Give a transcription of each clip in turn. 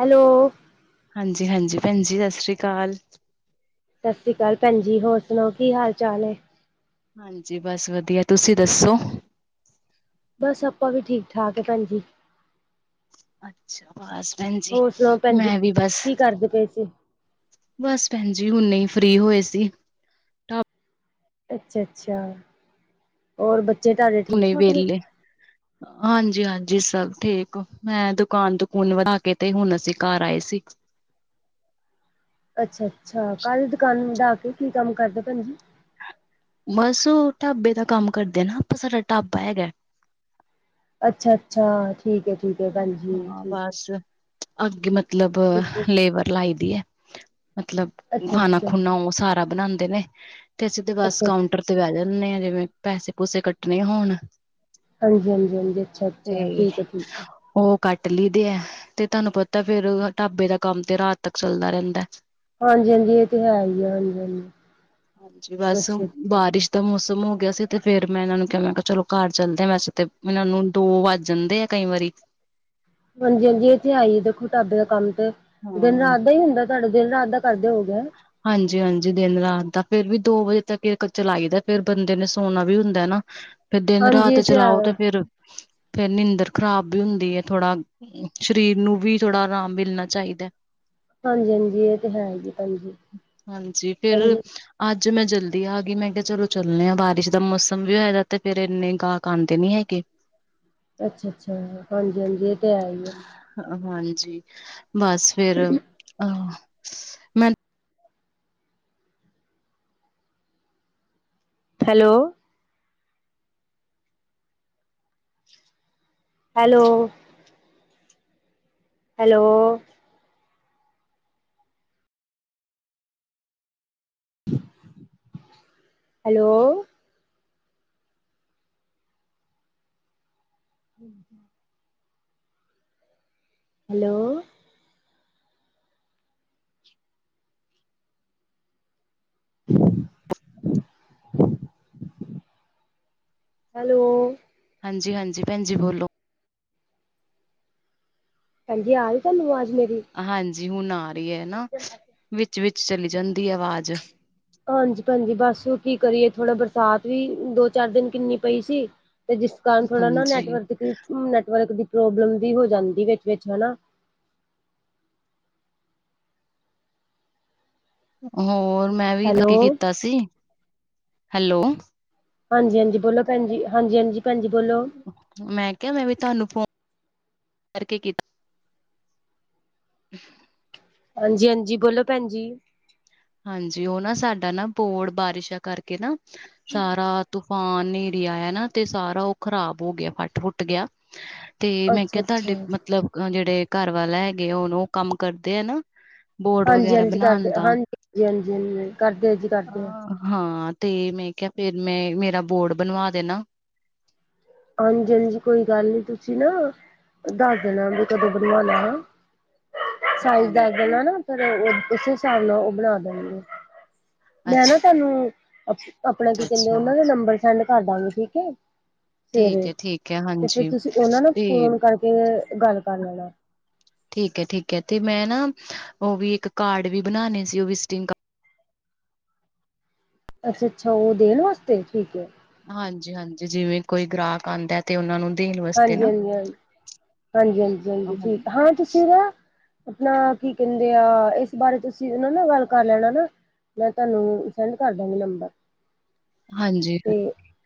Hello ਹਾਂਜੀ ਹਾਂਜੀ ਭੈਣ ਜੀ ਸਤਿ ਸ੍ਰੀ ਅਕਾਲ ਸਤਿ ਸ਼੍ਰੀ ਅਕਾਲ ਭੈਣ ਜੀ ਹੋਰ ਸੁਣਾਓ ਕੀ ਹਾਲ ਚਾਲ ਹੈ। ਹਾਂਜੀ ਬਸ ਵਧੀਆ ਤੁਸੀਂ ਦੱਸੋ ਬਸ ਆਪਾਂ ਵੀ ਠੀਕ ਠਾਕ ਹੈ ਭੈਣਜੀ ਅੱਛਾ ਬਸ ਭੈਣ ਜੀ ਹੋਰ ਸੁਣਾਓ ਭੈਣ ਜੀ ਮੈਂ ਵੀ ਬਸ ਕੀ ਕਰਦੇ ਪਏ ਸੀ ਬਸ ਭੈਣਜੀ ਹੁਨੇ ਹੀ ਫਰੀ ਹੋਏ ਸੀ। ਅੱਛਾ ਅੱਛਾ ਔਰ ਬੱਚੇ ਤੁਹਾਡੇ ਠੀਕ ਹੁਣੇ ਠਾਕ ਨੇ ਵੇਹਲੇ ਹਾਂਜੀ ਹਾਂਜੀ ਸਭ ਠੀਕ ਮੈਂ ਦੁਕਾਨ ਦੁਕੂਨ ਵੜਾ ਕੇ ਤੇ ਹੁਣ ਅਸੀਂ ਘਰ ਆਏ ਸੀ। ਅੱਛਾ ਅੱਛਾ ਕਾਹਦੀ ਦੁਕਾਨ ਵਧਾ ਤੀ ਕੀ ਕੰਮ ਕਰਦੇ ਭੈਣ ਜੀ ਬਸ ਉਹ ਢਾਬੇ ਦਾ ਕੰਮ ਕਰਦੇ ਨਾ ਪਰ ਸਾਡਾ ਢਾਬਾ ਹੈਗਾ। ਅੱਛਾ ਅੱਛਾ ਠੀਕ ਹੈ ਠੀਕ ਹੈ ਭੈਣਜੀ ਹਾਂ ਠੀਕ। ਬਸ ਅੱਗੇ ਮਤਲਬ ਠੀਕ ਹੈ। ਲੇਬਰ ਲਾਈ ਦੀ ਹੈ ਮਤਲਬ ਅੱਛਾ ਅੱਛਾ ਖਾਣਾ ਖੁਣਾ ਅੱਛਾ ਉਹ ਸਾਰਾ ਬਣਾਉਦੇ ਨੇ ਤੇ ਸਿਧਾ ਬਸ ਅੱਛਾ ਕਾਊਂਟਰ ਬਹਿ ਜਾਂਦੇ ਆ ਜਿਵੇਂ ਪੈਸੇ ਪੂਸੇ ਕੱਟਣੇ ਹੋਣ। ਹਾਂਜੀ ਹਾਂਜੀ ਹਾਂਜੀ ਅੱਛਾ ਅੱਛਾ ਤੇ ਠੀਕ ਹੈ ਠੀਕ ਹੈ। ਉਹ ਕੱਟ ਲਈਦੇ ਹੈ ਤੇ ਤੁਹਾਨੂੰ ਪਤਾ ਫੇਰ ਢਾਬੇ ਦਾ ਕੰਮ ਤੇ ਰਾਤ ਤੱਕ ਚੱਲਦਾ ਰਹਿੰਦਾ। ਹਾਂਜੀ ਹਾਂਜੀ ਇਹ ਤੇ ਹੈ ਹੀ ਆ ਹਾਂਜੀ ਹਾਂਜੀ ਅੱਛਾ। ਅੱਛਾ ਤਾਂ ਮੌਸਮ ਹੋ ਗਿਆ ਸੀ ਤੇ ਫੇਰ ਮੈਂ ਇਹਨਾਂ ਨੂੰ ਕਿਹਾ ਮੈਂ ਕਿਹਾ ਚਲੋ ਘ ਚੱਲਦੇਾਂ ਵੈਸੇ ਤੇ ਇਹਨਾਂ ਨੂੰ ਦੋ ਵੱਜ ਜਾਂਦੇ ਆ ਕਈ ਵਾਰੀ। ਹਾਂਜੀ ਹਾਂਜੀ ਇੱਥੇ ਆਈਏ ਦੇਖੋ ਢਾਬੇ ਦਾ ਕੰਮ ਤੇ ਦਿਨ ਹਾਂ ਰਾਤ ਦਾ ਹੀ ਹੁੰਦਾ। ਤੁਹਾਡਾ ਦਿਨ ਰਾਤ ਦਾ ਕਰਦੇ ਹੋ ਗਏ। ਹਾਂਜੀ ਹਾਂਜੀ ਦਿਨ ਰਾਤ ਦਾ ਫੇਰ ਵੀ ਦੋ ਵਜੇ ਤੱਕ ਚਲਾਈ ਦਾ ਫੇਿਰ ਬੰਦੇ ਨੇ ਸੋਨਾ ਵੀ ਹੁੰਦਾ ਨਾ। ਫਿਰ ਦਿਨ ਹਾਂਜੀ ਰਾਤ ਇਹ ਹੈ ਚਲਾਓ ਤੇ ਫੇਰ ਫਿਰ ਨੀਂਦਰ ਖ਼ਰਾਬ ਵੀ ਹੁੰਦੀ ਹੈ ਥੋੜਾ ਸਰੀਰ ਨੂੰ ਵੀ ਥੋੜਾ ਆਰਾਮ ਮਿਲਣਾ ਚਾਹੀਦਾ। ਹਾਂਜੀ ਹਾਂਜੀ ਇਹ ਤੇ ਹੈ ਜੀ ਭੈਜੀ। ਹਾਂਜੀ ਫਰ ਅੱਜ ਮੈਂ ਜਲਦੀ ਆ ਗਈ ਮੈਂ ਕਿਹਾ ਚਲੋ ਚੱਲਣੇ ਆਾਂ ਬਾਰਿਸ਼ ਦਾ ਮੌਸਮ ਵੀ ਹੋਏਗਾ ਤੇ ਫੇਿਰ ਇੰਨੇ ਗਾਹਕ ਆਉਂਦੇ ਨੀ ਹੈਗੇ। ਅੱਛਾ ਅੱਛਾ ਹਾਂਜੀ ਹਾਂਜੀ ਇਹ ਤੇ ਹੈ ਹੀ ਆ। ਹਾਂਜੀ ਬਸ ਫਿਰ ਅਹ ਮੈਂ ਹੈਲੋ। ਹੈਲੋ। ਹੈਲੋ। ਹੈਲੋ। ਹਮ ਹਮ। ਹੈਲੋ। [unintelligible] ਹੈਲੋ। ਹਾਂਜੀ ਹਾਂਜੀ ਭੈਣ ਜੀ ਬੋਲੋ। ਭੈਣਜੀ ਆ ਰੀ ਤੁਹਾਨੂੰ ਆਵਾਜ਼ ਮੇਰੀ। ਹਾਂਜੀ ਹੁਣ ਆ ਰਹੀ ਹੈ ਨਾ ਵਿੱਚ ਵਿਚ ਚਲੀ ਜਾਂਦੀ ਹੈ ਆਵਾਜ਼। ਹਾਂਜੀ ਭੈਣਜੀ ਬਸ ਉਹ ਕੀ ਕਰੀਏ ਥੋੜਾ ਬਰਸਾਤ ਵੀ ਦੋ ਚਾਰ ਦਿਨ ਕਿੰਨੀ ਪਈ ਸੀ। ਤੇ ਜਿਸ ਕਾਰਨ ਥੋੜਾ ਨਾ ਹਾਂਜੀ ਨੈਟਵਰਕ ਨੈਟਵਰਕ ਦੀ ਪ੍ਰੋਬਲਮ ਵੀ ਹੋ ਜਾਂਦੀ ਵਿਚ ਵਿਚ ਹੈਨਾ। ਹੋਰ ਮੈਂ ਵੀ ਹੈਲੋ ਐ ਕੀਤਾ ਸੀ, ਹੈਲੋ। ਹਾਂਜੀ ਹਾਂਜੀ ਬੋਲੋ ਭੈਣਜੀ ਹਾਂਜੀ ਹਾਂਜੀ ਭੈਣਜੀ ਬੋਲੋ। ਮੈਂ ਕਿਹਾ ਮੈਂ ਵੀ ਤੁਹਾਨੂੰ ਫੋਨ, ਕਰਕੇ ਕੀਤਾ। ਹਾਂਜੀ ਹਾਂਜੀ ਬੋਲੋ ਭੈਣ ਜੀ। ਹਾਂਜੀ ਉਹ ਨਾ ਸਾਡਾ ਨਾ ਬੋੜ ਬਾਰਿਸ਼ਾਂ ਕਰਕੇ ਨਾ ਸਾਰਾ ਤੂਫਾਨ ਆਇਆ ਨਾ ਤੇ ਸਾਰਾ ਉਹ ਖ਼ਰਾਬ ਹੋ ਗਿਆ ਫੱਟ ਫੁੱਟ ਗਿਆ, ਤੇ ਮੈਂ ਅੱਛਾ ਕਿਹਾ ਅੱਛਾ ਤੁਹਾਡੇ ਮਤਲਬ ਔ ਜਿਹੜੇ ਘਰ ਵਾਲੇ ਹੈਗੇ ਐ ਹੁਣ ਉਹ ਕੰਮ ਕਰਦੇ ਐ ਨਾ। ਬੋਰਡ ਹਾਂਜੀ ਵਗੈਰਾ ਹਾਂਜੀ ਬਣਾਉਣ ਕਰਦੇ ਦਾ ਹਾਂਜੀ ਹ ਹਾਂਜੀ ਹ ਕਰਦੇ ਜੀ ਕਰਦੇ ਐ। ਹਾਂ ਤੇ ਮੈਂ ਕਿਹਾ ਫੇਰ ਮੈਂ ਮੇਰਾ ਬੋਰਡ ਬਣਵਾ ਦੇਣਾ। ਹਾਂਜੀ ਹਾਂਜੀ ਕੋਈ ਗੱਲ ਨੀ ਤੁਸੀਂ ਨਾ ਦੱਸ ਦੇਣਾ ਵੀ ਕਦੋਂ ਬਣਵਾਣਾ ਹੈ। ਸਾਈਜ਼ ਦੱਸ ਹਾਂਜੀ ਦੇਣਾ ਨਾ ਫਿਰ ਉਹ ਉਸੇ ਹਿਸਾਬ ਨਾਲ ਉਹ ਬਣਾ ਦੇਣਗੇ। ਮੈਂ ਅੱਛਾ ਨਾ ਤੁਹਾਨੂੰ ਆਪਣਾ ਕੀ ਕਹਿੰਦੇ ਅੱਛਾ ਉਹਨਾਂ ਦਾ ਨੰਬਰ ਸੈਂਡ ਕਰ ਦਾਂਗੀ ਠੀਕ ਹੈ। ਠੀਕ ਸਵੇਰੇ ਹੈ ਠੀਕ ਹੈ ਤੇ ਫਿਰ ਹਾਂਜੀ ਤੁਸੀਂ ਉਹਨਾਂ ਨਾਲ ਤੇ ਫੋਨ ਕਰਕੇ ਗੱਲ ਕਰ ਲੈਣਾ ਠੀਕ ਹੈ ਠੀਕ ਹੈ ਤੇ ਮੈਂ ਨਾ ਉਹ ਵੀ ਇੱਕ ਕਾਰਡ ਵੀ ਬਣਾਣੇ ਸੀ ਉਹ ਵਿਟਿੰਗ ਕਾਰਡ - ਅੱਛਾ ਅੱਛਾ ਉਹ ਦੇਣ ਵਾਸਤੇ, ਠੀਕ ਹੈ। ਹਾਂਜੀ ਹਾਂਜੀ ਜਿਵੇਂ ਕੋਈ ਗ੍ਰਾਹਕ ਆਉਂਦਾ। ਤੇ ਉਹ ਨੂੰ ਦੇਣ ਵਾਸਤੇ। ਨਾ ਹਾਂਜੀ-ਹਾਂਜੀ ਹ ਹਾਂਜੀ-ਹਾਂਜੀ-ਹਾਂਜੀ ਠੀਕ ਏ, ਹਾਂਜੀ ਹਾਂ ਤੁਸੀ ਨਾ। ਆਪਣਾ ਕੀ ਕਹਿੰਦੇ ਆ ਇਸ ਬਾਰੇ ਤੁਸੀਂ ਉਹਨਾਂ ਨਾ ਗੱਲ ਕਰ ਲੈਣਾ ਨਾ। ਮੈਂ ਤੁਹਾਨੂੰ ਸੈਂਡ ਕਰ ਦਾਂਗੀ ਨੰਬਰ। ਹਾਂਜੀ ਤੇ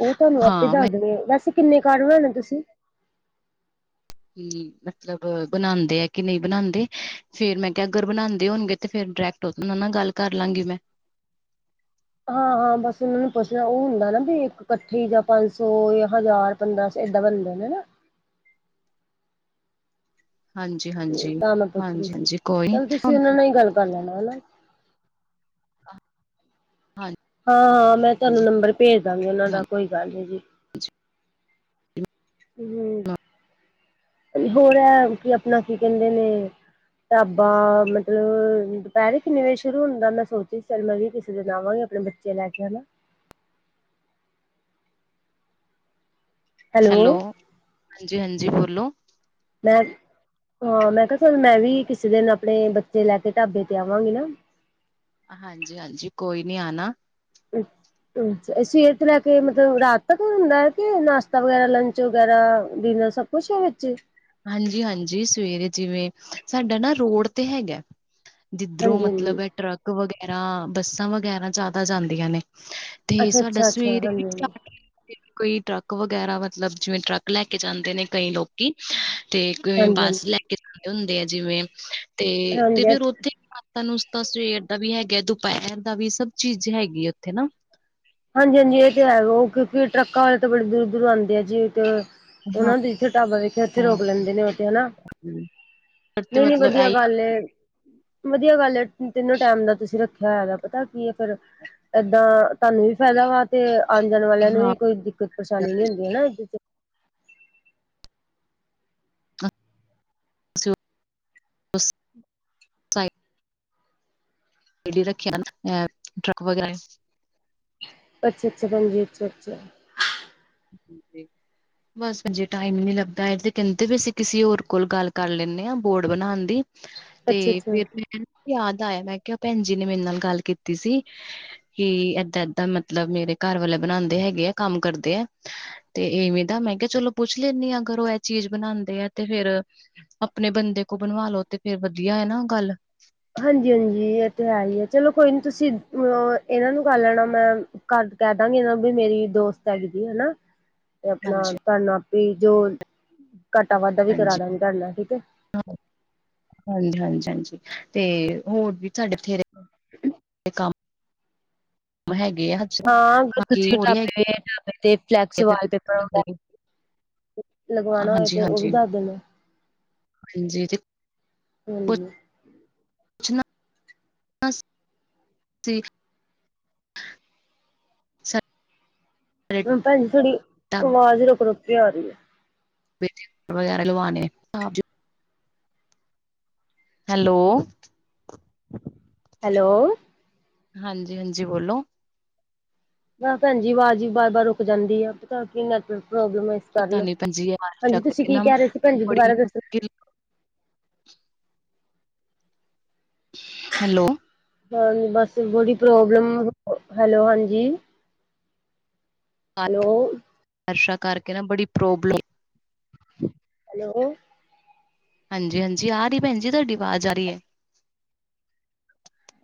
ਉਹ ਤੁਹਾਨੂੰ ਆਪੇ ਹਾਂ ਮੈਂ ਦੱਸ ਦੇਣਗੇ, ਵੈਸੇ ਕਿੰਨੇ ਕਾਰਡ ਬਣਾਉਣੇ ਤੁਸੀਂ। ਹੂ ਮਤਲਬ ਬਣਾਉਂਦੇ ਹੈ ਕਿ ਨਹੀਂ ਬਣਾਉਂਦੇ। ਫੇਰ ਮੈਂ ਕਿਹਾ ਅਗਰ ਬਣਾਉਂਦੇ ਹੋਣਗੇ ਤੇ ਫੇਰ ਡਾਇਰੈਕਟ ਉਹਦਾ ਨਾਲ ਗੱਲ ਕਰ ਲਾਂਗੀ ਮੈਂ। ਹ। ਹ ਬਸ ਉਹਨਾਂ ਨੂੰ ਪੁੱਛਣਾ ਉਹ ਹੁੰਦਾ ਨਾ ਵੀ ਇੱਕ ਪਰਚੀ ਜਾਂ ਪੰਜ ਸੌ, ਜਾਂ ਹਜ਼ਾਰ ਪੰਦਰਾਂ ਸੋ ਏਦਾਂ ਬਣਦੇ ਨੇ ਹੈਨਾ। ਹਾਂਜੀ ਹਾਂ। ਤੇ ਤਾਂ ਮੈਂ ਪੁੱਛ ਰਹੀ ਸੀ, ਚੱਲ ਤੁਸੀਂ ਹਾਂਜੀ ਉਹਨਾਂ ਨਾਲ ਹੀ ਗੱਲ ਕਰ ਲੈਣਾ ਹੈਨਾ। ਹਾਂ-ਹਾਂ ਮੈਂ ਤੁਹਾਨੂੰ ਹਾਂਜੀ ਨੰਬਰ ਭੇਜ ਦਾਂਗੀ ਉਹਨਾਂ ਦਾ ਕੋਈ ਗੱਲ ਨੀ ਜੀ। ਅੱਛਾ ਹਮ ਹੋਰ ਹੈ ਕੀ ਆਪਣਾ ਕੀ ਕਹਿੰਦੇ ਨੇ ਢਾਬਾ ਮਤਲਬ ਦੁਪਹਿਰੇ ਕਿੰਨੇ ਵਜੇ ਸ਼ੁਰੂ ਹੁੰਦਾ ਮੈਂ ਸੋਚੀ ਚੱਲ ਮੈਂ ਵੀ ਕਿਸੇ ਦਿਨ ਆਵਾਂਗੀ ਆਪਣੇ ਬੱਚੇ ਲੈ ਕੇ ਉਹਨੂੰ ਹੈਲੋ ਹਾਂਜੀ ਹਾਂਜੀ ਬੋਲੋ ਮੈਂ ਹਾਂ ਮੈਂ ਕਿਹਾ ਸਾਨੂੰ ਮੈਂ ਵੀ ਕਿਸੇ ਦਿਨ ਆਪਣੇ ਬੱਚੇ ਲੈ ਕੇ ਢਾਬੇ ਤੇ ਆਵਾਂਗੀ ਨਾ ਹਾਂਜੀ ਹਾਂਜੀ ਕੋਈ ਨੀ ਆਣਾ [unintelligible] ਅੱਛਾ ਸਵੇਰ ਤੋਂ ਲੈ ਕੇ ਮਤਲਬ ਰਾਤ ਤੱਕ ਹੁੰਦਾ ਹੈ ਕਿ ਨਾਸ਼ਤਾ ਵਗੈਰਾ ਲੰਚ ਵਗੈਰਾ ਡਿਨਰ ਸਭ। ਖੁਸ਼ੀ ਵਿੱਚ ਹਾਂਜੀ ਹਾਂਜੀ ਸਵੇਰੇ ਜਿਵੇਂ ਸਾਡਾ ਨਾ ਰੋਡ ਤੇ ਹੈਗਾ ਜਿਧਰੋਂ ਹਾਂਜੀ ਹਾਂਜੀ ਮਤਲਬ ਟਰੱਕ ਵਗੈਰਾ ਬੱਸਾਂ ਵਗੈਰਾ ਜ਼ਿਆਦਾ ਜਾਂਦੀਆਂ ਨੇ ਤੇ ਅੱਛਾ ਸਾਡਾ ਅੱਛਾ ਅੱਛਾ ਸਵੇਰੇ ਵੀ ਹਾਂਜੀ ਸਟਾਰਟ ਕੋਈ ਟਰੱਕ ਵਗੈਰਾ ਮਤਲਬ ਜਿਵੇਂ ਟਰੱਕ ਲੈ ਕੇ ਜਾਂਦੇ ਨੇ ਕਈ ਲੋਕੀ ਤੇ ਕਿਵੇਂ ਹਾਂਜੀ ਹਾਂਜੀ ਬੱਸ ਲੈ ਕੇ ਜਾਂਦੇ ਹੁੰਦੇ ਆ ਜਿਵੇਂ ਤੇ ਤੇ ਹਾਂਜੀ ਫੇਰ ਹਾਂਜੀ ਉੱਥੇ ਤੂੰ ਨਾਸਤਾ ਸਵੇਰ ਦਾ ਵੀ ਹੈਗਾ ਦੁਪਹਿਰ ਦਾ ਵੀ ਸਭ ਚੀਜ਼ ਹੈਗੀ ਆ ਉੱਥੇ ਨਾ ਹਾਂਜੀ ਹਾਂਜੀ ਇਹ ਤੇ ਹੈਗਾ ਉਹ ਕਿਉਂਕਿ ਟਰੱਕਾਂ ਵਾਲੇ ਤਾਂ ਬੜੇ ਦੂਰ ਦੂਰੋਂ ਆਉਂਦੇ ਆ ਜੀ ਤੇ ਹਾਂ ਉਹਨਾਂ ਦੀ ਇਥੇ ਢਾਬਾ ਵੇਖੇ ਉੱਥੇ ਰੋਕ ਲੈਂਦੇ ਨੇ ਉੱਥੇ ਹਨਾ ਜੀ। ਤੇ ਨਹੀਂ ਨਹੀਂ ਮਤਲਬ ਵਧੀਆ ਇਹੀ ਗੱਲ ਏ ਵਧੀਆ ਗੱਲ ਹੈ। ਤਿੰਨੋ ਟੈਮ ਦਾ ਤੁਸੀਂ ਰੱਖ ਪਤਾ ਕੀ ਹੈ ਫੇਰ ਏਦਾਂ ਤੁਹਾਨੂੰ ਵੀ ਫਾਇਦਾ ਵਾ ਤੇ ਆਉਣ ਜਾਣ ਵਾਲਿਆਂ ਨੂੰ ਹਾਂ ਵੀ ਕੋਈ ਦਿੱਕਤ ਪਰੇਸ਼ਾਨੀ ਨੀ ਹੁੰਦੀ ਨਾ ਇਧਰ ਚ [unintelligible] [inaudible] ਗਡੀ ਰੱਖਿਆ ਨਾ ਆ ਟਰੱਕ ਵਗੈਰਾ ਅੱਛਾ-ਅੱਛਾ ਭੈਣ ਜੀ ਅੱਛਾ-ਅੱਛਾ [unintelligible] ਬਸ ਬੈਣ ਜੀ ਟਾਈਮ ਨੀ ਲੱਗਦਾ ਹੈ। ਇਹ ਤੇ ਕਹਿੰਦੇ ਵੀ ਅਸੀਂ ਕਿਸੇ ਹੋਰ ਕੋਲ ਗੱਲ ਕਰ ਲੈਂਦੇ ਹਾਂ ਬੋਰਡ ਬਣਾਉਣ ਦੀ ਤੇ ਅੱਛਾ ਅੱਛਾ ਫਿਰ ਮੈਂ ਨਾ ਯਾਦ ਆਇਆ ਮੈਂ ਕਿਹਾ ਭੈਣ ਜੀ ਨੇ ਮੇਰੇ ਨਾਲ ਗੱਲ ਕੀਤੀ ਸੀ। ਕਿ ਏਦਾਂ-ਏਦਾਂ ਮਤਲਬ ਮੇਰੇ ਘਰ ਵਾਲੇ ਬਣਾਉਂਦੇ ਹੈਗੇ ਆ ਕੰਮ ਕਰਦੇ ਆ ਤੇ ਇਵੇਂ ਦਾ ਮੈਂ ਕਿਹਾ ਚਲੋ ਪੁੱਛ ਲੈਂਦੀ ਆ ਅਗਰ ਉਹ ਇਹ ਚੀਜ਼ ਬਣਾਉਂਦੇ ਆ ਤੇ ਫੇਰ ਆਪਣੇ ਬੰਦੇ ਕੋਲ ਬਣਵਾਲੋ ਤੇ ਫੇਰ ਵਧੀਆ ਹੈ ਨਾ ਗੱਲ ਹਾਂਜੀ ਹਾਂਜੀ ਇਹ ਤੇ ਹੈ ਹੀ ਹੈ। ਚਲੋ ਕੋਈ ਨੀ ਤੁਸੀਂ ਅ ਇਹਨਾਂ ਨੂੰ ਕਰ ਲੈਣਾ ਮੈਂ ਘਰ ਕਹਿ ਦਾਂਗੇ ਇਹ ਵੀ ਮੇਰੀ ਦੋਸਤ ਹੈਗੀ ਹਨਾ [inaudible] ਤੇ ਆਪਣਾ ਤਾਨਾ ਆਪ ਹੀ ਜੋ ਘਾਟਾ ਵਾਧਾ ਵੀ ਕਰਾ ਦਾਂਗੇ ਧਾਰਨਾ ਠੀਕ ਹੈ। ਹਾਂਜੀ-ਹਾਂਜੀ-ਹਾਂਜੀ ਤੇ ਹੋਰ ਵੀ ਸਾਡੇ ਬਥੇਰੇ [inaudible] ਕੰਮ ਹੈਗੇ ਆ ਹਜੇ, ਹਾ ਬੋਤ ਬਾਕੀ ਅੱਛੇ ਹੋਰ ਹੀ ਢਾਬੇ ਹੈਗੇ ਤੇ ਫਲੈਕਸ ਆ ਵਾਲਪੇਪਰ ਫਿਰ ਲਗਵਾਣਾ ਹੋਏ ਹਾਂਜੀ ਤੇ ਉਹ ਵੀ ਹਾਂਜੀ ਦੱਸ ਦੇਂਦੇ ਹਾਂਜੀ ਤੇ ਹਮ [unintelligible] ਸਾਡੇ ਭਾਜੀ ਥੋੜੀ ਢਾਬੇ ਆਵਾਜ਼ ਰੁਕ-ਰੁਕ ਕੇ ਆ ਰਹੀ ਹੈ। ਵਗੈਰਾ ਲਵਾਣੇ ਹੈਲੋ ਹੈਲੋ ਹਾਂਜੀ ਹਾਂਜੀ ਬੋਲੋ ਬਸ ਭੈਣ ਜੀ ਆਵਾਜ਼ ਬਾਰ ਬਾਰ ਰੁਕ ਜਾਂਦੀ ਆ ਪਤਾ ਕੀ ਨੈਟਵਰਕ ਪ੍ਰੋਬਲਮ ਹੈ। ਕਰ ਪਤਾ ਲਓ ਨੀ ਭੈਣਜੀ ਹਾਂਜੀ ਤੁਸੀਂ ਕੀ ਕਹਿ ਰਹੇ ਸੀ ਭੈਣ ਜੀ ਬੜੀ ਦੁਬਾਰਾ ਦੱਸੋ ਮੁਸ਼ਕਿਲ ਹੈਲੋ ਹਾਂ ਬਸ ਬੜੀ ਪ੍ਰੋਬਲਮ ਹੈਲੋ ਹਾਂਜੀ ਹੈਲੋ ਐਸ਼ਾ ਕਰਕੇ ਨਾ ਬੜੀ ਪ੍ਰੋਬਲਮ ਹੈਲੋ ਹਾਂਜੀ ਹਾਂਜੀ ਆ ਰਹੀ ਭੈਣ ਜੀ ਤੁਹਾਡੀ ਆਵਾਜ਼ ਆ ਰਹੀ ਹੈ।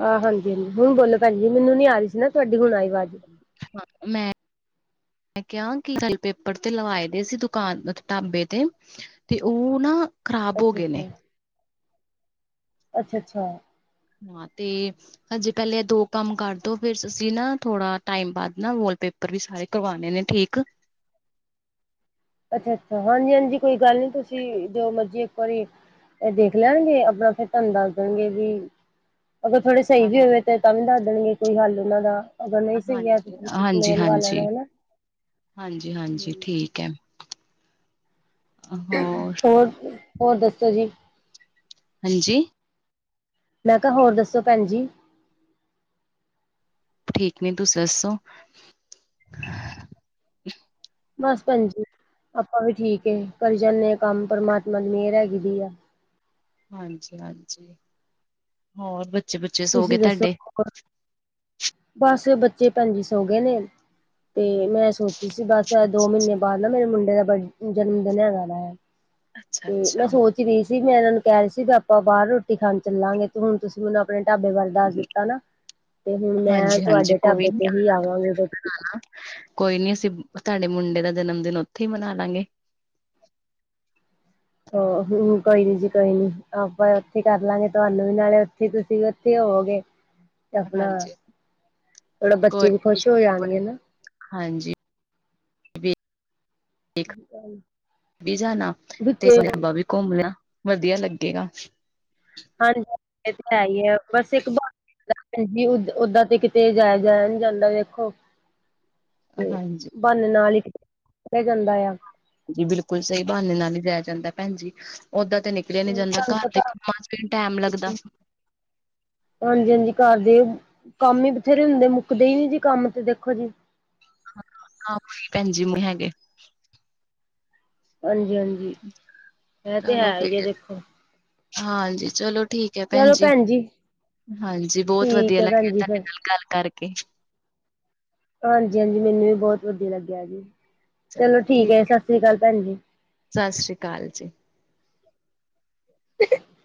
ਆਹ ਹਾਂਜੀ ਹਾਂਜੀ ਹੁਣ ਬੋਲੋ ਭੈਣ ਜੀ ਮੈਨੂੰ ਨੀ ਆ ਰਹੀ ਸੀ ਨਾ ਤੁਹਾਡੀ ਹੁਣ ਆਈ ਆਵਾਜ਼ ਹਾਂ ਮੈਂ ਮੈਂ ਕਿਹਾ ਕਿ ਕੱਲ ਪੇਪਰ ਤੇ ਲਵਾਏ ਦੇ ਸੀ ਦੁਕਾਨ ਢਾਬੇ ਤੇ ਤੇ ਉਹ ਨਾ ਖ਼ਰਾਬ ਹੋ ਅੱਛਾ ਗਏ ਨੇ ਅੱਛਾ ਅੱਛਾ -ਅੱਛਾ। ਹਾਂ ਤੇ ਹਾਂਜੀੇ ਪਹਿਲੇ ਦੋ ਕੰਮ ਕਰਦੋ ਫਿਰ ਅਸੀਂ ਨਾ ਥੋੜਾ ਟਾਈਮ ਬਾਅਦ ਨਾ ਬੋਲ ਪੇਪਰ ਉੱਪਰ ਵੀ ਸਾਰੇ ਕਰਵਾਉਣੇ ਨੇ ਠੀਕ ਅੱਛਾ ਅੱਛਾ ਹਾਂਜੀ ਹਾਂਜੀ ਕੋਈ ਗੱਲ ਨੀ ਤੁਸੀਂ ਜੋ ਮਰਜੀ ਇੱਕ ਵਾਰੀ ਇਹ ਦੇਖ ਲੈਣਗੇ ਆਪਣਾ ਫਿਰ ਤੁਹਾਨੂੰ ਦੱਸ ਦੇਣਗੇ ਵੀ ਅਗਰ ਥੋੜੇ ਸਹੀ ਵੀ ਹੋਵੇ ਤੇ ਤਾਂ ਵੀ ਦੱਸ ਦੇਣਗੇ ਕੋਈ ਹੱਲ ਉਹਨਾਂ ਦਾ ਅਗਰ ਨਹੀਂ ਸਹੀ ਹੈ ਤੇ ਹਾਂਜੀ ਫਿਰ ਤੁਸੀਂ ਹਾਂਜੀ ਨਿਆ ਲੈਣਾ ਹਾਂਜੀ ਹੈ। ਹਾਂਜੀ ਹਾਂਜੀ ਠੀਕ ਹੈ। ਹੋਰ ਹੋਰ ਦੱਸੋ ਜੀ ਹਾਂਜੀ ਮੈਂ ਕਿਹਾ ਹੋਰ ਦੱਸੋ ਭੈਣ ਜੀ ਠੀਕ ਨੀ ਤੁਸੀਂ ਦੱਸੋ ਬਸ ਭੈਣ ਜੀ ਆਪਾਂ ਵੀ ਠੀਕ ਹੈ ਕਰੀ ਜਾਂਦੇ ਹਾਂ ਕੰਮ ਪਰਮਾਤਮਾ ਦੀ ਮਿਹਰ ਹੈਗੀ ਦੀ ਆ ਹਾਂਜੀ ਹਾਂਜੀ ਹੋਰ ਬੱਚੇ ਬੱਚੇ ਤੁਸੀਂ ਦੱਸੋ ਹੋਰ ਬਸ ਬੱਚੇ ਭੈਣ ਜੀ ਸੌ ਗਏ ਨੇ ਤੇ ਮੈਂ ਸੋਚ ਤੁਸੀਂ ਬਸ ਦੋ ਅੱਛਾ ਮਹੀਨੇ ਅੱਛਾ ਬਾਅਦ ਨਾ ਮੇਰੇ ਮੁੰਡੇ ਦਾ ਜਨਮ ਦਿਨ ਹੈਗਾ। ਅੱਛਾ ਤੇ ਮੈਂ ਅੱਛਾ ਸੋਚ ਰਹੀ ਸੀ ਮੈਂ ਇਹਨਾਂ ਨੂੰ ਕਹਿ ਰਹੀ ਸੀ ਵੀ ਆਪਾਂ ਬਾਹਰ ਰੋਟੀ ਖਾਣ ਚੱਲਾਂਗੇ ਤੇ ਹੁਣ ਤੁਸੀਂ ਮੈਨੂੰ ਆਪਣੇ ਢਾਬੇ ਵੱਲ ਦੱਸ ਦਿੱਤਾ ਨਾ ਤੇ ਹੁਣ ਮੈਂ ਹਾਂਜੀ-ਹਾਂਜੀ ਤੁਹਾਡੇ ਕੋਈ ਢਾਬੇ ਨੀ ਤੇ ਹੀ ਆਵਾਂਗੀ ਰੋਟੀ ਕੋਈ ਨੀ ਅਸੀਂ ਤੁਹਾਡੇ ਮੁੰਡੇ ਦਾ ਜਨਮ ਦਿਨ ਉੱਥੇ ਹੀ ਮਨਾ ਲਾਂਗੇ ਹੋ ਕੋਈ ਨੀ ਜੀ ਕੋਈ ਨੀ ਆਪਾਂ ਉੱਥੇ ਕਰ ਲਾਂਗੇ ਤੁਹਾਨੂੰ ਵੀ ਨਾਲੇ ਉੱਥੇ ਤੁਸੀਂ ਵੀ ਉੱਥੇ ਹੋਵੋਗੇ [inaudible] ਤੇ ਆਪਣਾ ਥੋੜਾ ਕੋਈ ਬੱਚੇ ਵੀ ਖੁਸ਼ ਹੋ ਨੀ, ਜਾਣਗੇ ਹਾਂਜੀ ਵੇਖ ਵੇਖ ਬੇਜਾਨ ਬੱਚੇ [unintelligible] ਘੁੰਮਿਆ ਲਾ ਵਧੀਆ ਲੱਗੇਗਾ ਹੜ ਇੱਕ ਤਾਂ ਹੈ ਹੀ ਭੈਣ ਜੀ ਉਦਾਂ ਤੇ ਕਿਤੇ ਜਾਇਆ ਜਾਇਆ ਨੀ ਜਾਂਦਾ ਵੇਖੋ ਤੇ ਹਾਂਜੀ ਬਾਨੇ ਨਾਲ ਈ ਜਾਇਆ ਜਾਂਦਾ ਆ। ਜੀ ਬਿਲਕੁਲ ਸਈ ਬਹਾਨੇ ਨਾਲ ਈ ਜਾਇਆ ਜਾਂਦਾ ਭੈਣਜੀ ਓਦਾਂ ਤੇ ਨਿਕਲ [unintelligible] ਨੀ ਜਾਂਦਾ ਤੁਹਾਨੂੰ ਘਰ ਦੇ ਪਤਾ ਕੰਮਾਂ ਚ ਵੀ ਟੈਮ ਲੱਗਦਾ। ਹਾਂਜੀ, ਹਾਂਜੀ ਘਰ ਦੇ ਕੰਮ ਈ ਬਥੇਰੇ ਹੁੰਦੇ ਮੁੱਕਦੇ ਈ ਨੀ ਜੀ ਕੰਮ ਤੇ ਦੇਖੋ ਜੀ। ਭੈਣ ਜੀ ਹੈਗੇ [unintelligible] ਹਾਂਜੀ, ਹਾਂਜੀ ਐ ਤੇ ਹੈ ਈ ਏ ਦੇਖੋ। ਹਾਂ ਜੀ ਚਲੋ ਠੀਕ ਐ ਚਲੋ ਭੈਣਜੀ ਭੈਣ ਜੀ ਹਾਂਜੀ ਬੌਤ ਠੀਕ ਵਧੀਆ ਹੈ ਭੈਣ ਲੱਗਿਆ ਜੀ ਫਿਰ ਤਾਡੇ ਨਾਲ ਗੱਲ ਕਰਕੇ। ਹਾਂਜੀ, ਹਾਂਜੀ ਮੈਨੂੰ ਵੀ ਬੌਤ ਵਧੀਆ ਲੱਗਿਆ ਜੀ ਚਲੋ ਠੀਕ ਐ ਸਾਸ ਰੀ ਕਾਲ ਭੈਣ ਜੀ। ਸਾਸਰੀਕਾਲ ਜੀ। [inaudible]